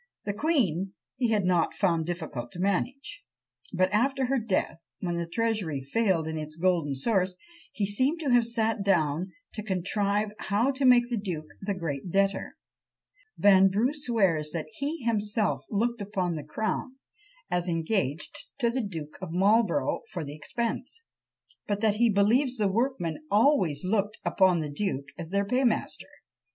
The queen he had not found difficult to manage; but after her death, when the Treasury failed in its golden source, he seems to have sat down to contrive how to make the duke the great debtor. Vanbrugh swears that "He himself looked upon the crown, as engaged to the Duke of Marlborough for the expense; but that he believes the workmen always looked upon the duke as their paymaster."